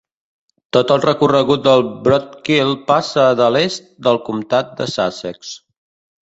Tot el recorregut del Broadkill passa de l'est del comtat de Sussex.